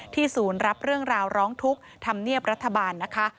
ศูนย์รับเรื่องราวร้องทุกข์ธรรมเนียบรัฐบาลนะคะ